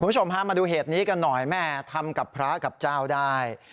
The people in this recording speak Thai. คุณผู้ชมฮะมาดูเหตุนี้กันหน่อยแม่ทำกับพระกับเจ้าได้